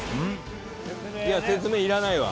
説明いらないわ。